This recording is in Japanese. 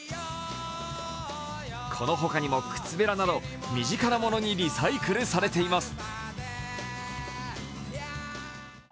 このほかにも靴べらなど身近なものにリサイクルされています。